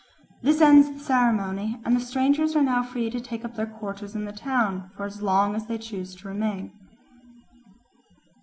This ends the ceremony, and the strangers are now free to take up their quarters in the town for as long as they choose to remain.